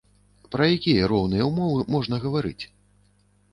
Пра якія роўныя ўмовы можна гаварыць?